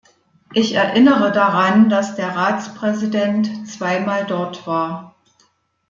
Ich erinnere daran, dass der Ratspräsident zweimal dort war.